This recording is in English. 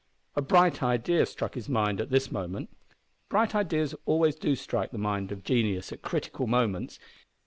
A bright idea struck his mind at this moment. Bright ideas always do strike the mind of genius at critical moments!